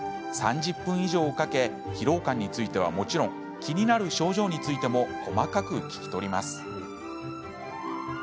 ３０分以上かけ疲労感についてはもちろん気になる症状についても細かく聞き取ります。